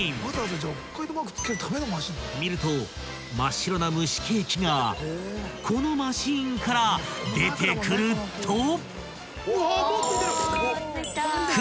［見ると真っ白な蒸しケーキがこのマシンから出てくると］